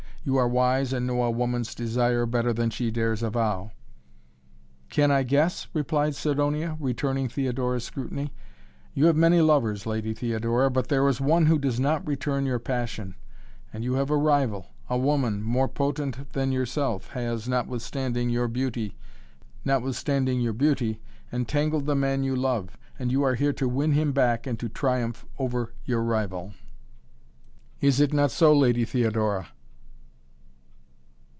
"You are wise and know a woman's desire better than she dares avow." "Can I guess?" replied Sidonia, returning Theodora's scrutiny. "You have many lovers, Lady Theodora, but there is one who does not return your passion. And, you have a rival. A woman, more potent than yourself, has, notwithstanding your beauty, entangled the man you love, and you are here to win him back and to triumph over your rival. Is it not so, Lady Theodora?"